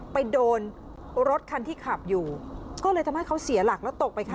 ไปโดนรถคันที่ขับอยู่ก็เลยทำให้เขาเสียหลักแล้วตกไปค่ะ